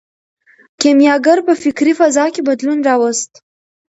کیمیاګر په فکري فضا کې بدلون راوست.